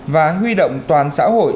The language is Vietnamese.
và huy động toàn xã hội